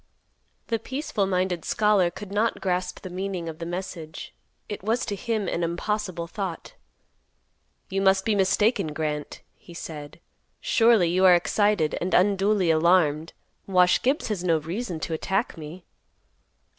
The peaceful minded scholar could not grasp the meaning of the message; it was to him an impossible thought; "You must be mistaken, Grant," he said. "Surely you are excited and unduly alarmed. Wash Gibbs has no reason to attack me."